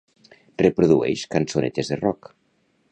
Reprodueix cançonetes de rock.